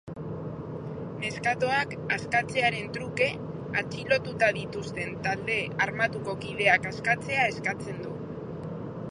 Neskatoak askatzearen truke atxilotuta dituzten talde armatuko kideak askatzea eskatzen du.